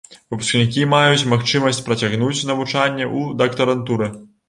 Выпускнікі маюць магчымасць працягнуць навучанне ў дактарантуры.